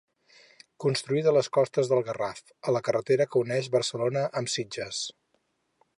Construït a les costes de Garraf, a la carretera que uneix Barcelona amb Sitges.